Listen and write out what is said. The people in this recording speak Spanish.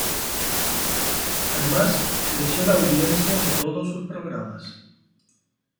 Además creció la audiencia de todos sus programas.